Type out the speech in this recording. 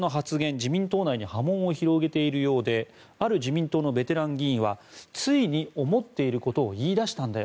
自民党内に波紋を広げているようである自民党のベテラン議員はついに思っていることを言い出したんだよ